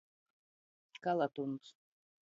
Kalatuns.